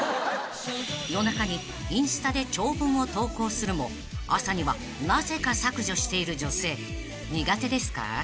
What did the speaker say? ［夜中にインスタで長文を投稿するも朝にはなぜか削除している女性苦手ですか？］